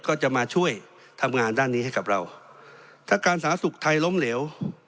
ก็จะมาช่วยทำงานด้านนี้ให้กับเราถ้าการสาธารณสุขไทยล้มเหลว